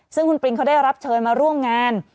ซึ่งคุณปริงเขาได้รับเชิญมาร่วมงาน